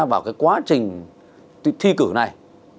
vào cái quá trình thi cử này